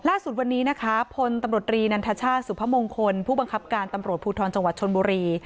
ล่าสุดวันนี้นะคะพลตำรวจรีนันทชาติสุพมงคลผู้บังคับการตำรวจภูทรจังหวัดชนบุรี